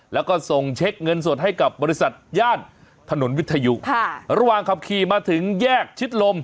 แล้วก็ส่งเช็คเงินสดให้กับบริษัทย่านถนนวิทยุค่ะระหว่างขับขี่มาถึงแยกชิดลม